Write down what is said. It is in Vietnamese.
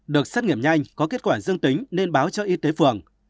được xét nghiệm nhanh có kết quả dương tính nên báo cho y tế phường